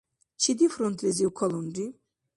Чиди фронтлизив калунри?